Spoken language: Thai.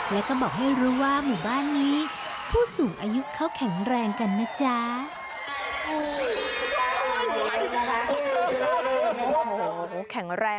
แล้วก็บอกให้รู้ว่าหมู่บ้านนี้ผู้สูงอายุเขาแข็งแรงกันนะจ๊ะ